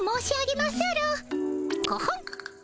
コホン！